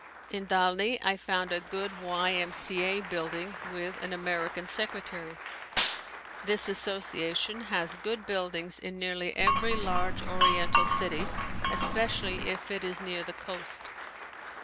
In Dalny I found a good Y. M. C. A. building with an American secretary. This association has good buildings in nearly every large oriental city especially if it is near the coast.